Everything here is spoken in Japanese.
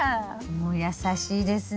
もう優しいですね。